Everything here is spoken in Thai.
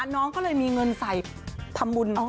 น้องก็เลยมีเงินใส่ทำบุญ